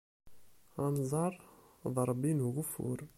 Anẓar d Ṛebbi n ugeffur.